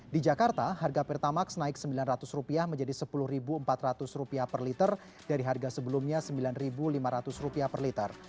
di jakarta harga pertamax naik rp sembilan ratus menjadi rp sepuluh empat ratus per liter dari harga sebelumnya rp sembilan lima ratus per liter